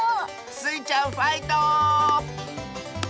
スイちゃんファイト！